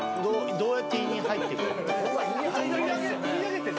どうやって胃に入っていくの。